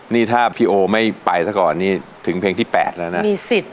นี่ถ้าพี่โอไม่ไปนี้ถึงเพลงที่๘มีสิทธิ์